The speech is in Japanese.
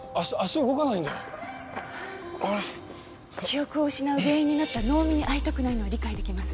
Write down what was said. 記憶を失う原因になった能見に会いたくないのは理解できます。